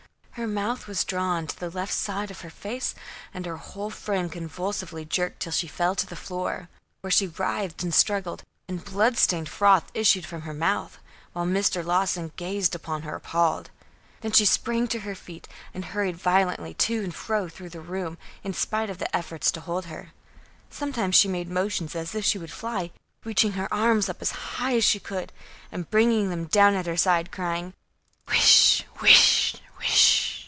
Her mouth was drawn to the left side of her face and her whole frame convulsively jerked till she fell to the floor, where she writhed and struggled, and blood stained froth issued from her mouth, while Mr. Lawson gazed upon her appalled. Then she sprang to her feet and hurried violently to and fro through the room in spite of the efforts to hold her. Sometimes she made motions as if she would fly, reaching her arms up as high as she could, and bringing them down at her side, crying: "Whish! whish! whish!"